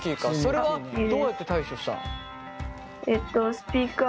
それはどうやって対処したの？